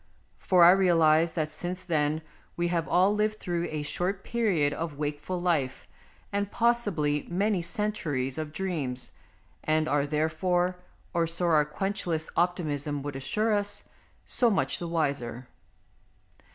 For I realize that since then we have all lived through a short period of wakeful life and possibly many centuries of dreams, and are therefore, or so our quenchless optimism would assure us, so much the wiser.